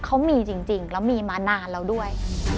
เขามีจริงแล้วมีมานานแล้วด้วย